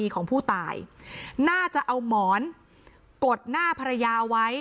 ของผู้ตายน่าจะเอาหมอนกดหน้าภรรยาไว้